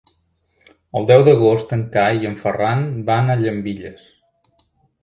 El deu d'agost en Cai i en Ferran van a Llambilles.